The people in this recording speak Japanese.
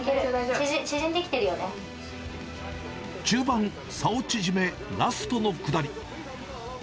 中盤、差を縮め、ラストの下り。